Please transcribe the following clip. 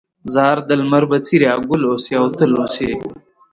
ځار د لمر بڅريه، ګل اوسې او تل اوسې